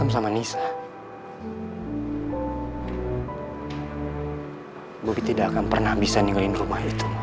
sampai jumpa di video selanjutnya